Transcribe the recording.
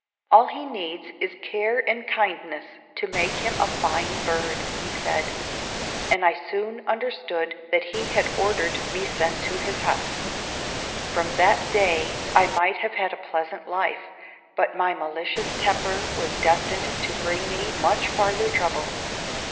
"All he needs is care and kindness to make him a fine bird," he said; and I soon understood that he had ordered me sent to his house. [Illustration: I LIVED AGAIN IN THE FOREST.] From that day I might have had a pleasant life, but my malicious temper was destined to bring me much farther trouble.